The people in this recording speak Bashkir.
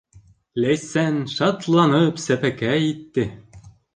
Ләйсән шатланып сәпәкәй итте.